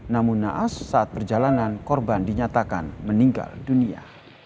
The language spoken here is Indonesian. namun naas saat perjalanan korban dinyatakan meninggal dunia